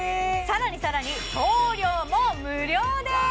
更に更に送料も無料です